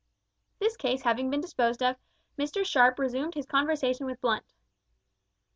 This case having been disposed of, Mr Sharp resumed his conversation with Blunt.